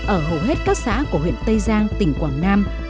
ở hầu hết các xã của huyện tây giang tỉnh quảng nam